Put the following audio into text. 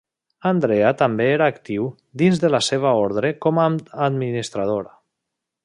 Andrea també era actiu dins de la seva ordre com a administrador.